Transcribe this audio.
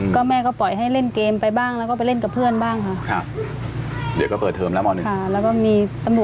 ก็แม่ก็ปล่อยให้เล่นเกมไปบ้างแล้วก็ไปเล่นกับเพื่อนบ้างค่ะ